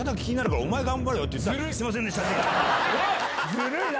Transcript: ずるいな！